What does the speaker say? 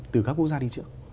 từ các quốc gia đi trước